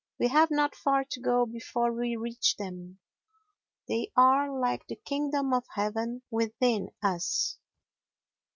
We have not far to go before we reach them. They are, like the Kingdom of Heaven, within us.